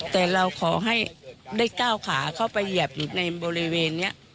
แต่เราขอให้ได้ก้าวขาเข้าไปเหยียบอยู่ในบริเวณนี้